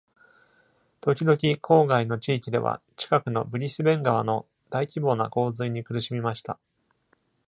時々、郊外の地域では、近くのブリスベン川の大規模な洪水に苦しみました。